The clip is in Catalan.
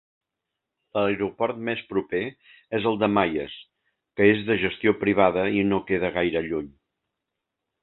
L'aeroport més proper és el de Mayes, que és de gestió privada i no queda gaire lluny.